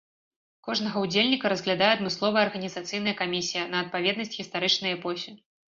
Кожнага ўдзельніка разглядае адмысловая арганізацыйная камісія на адпаведнасць гістарычнай эпосе.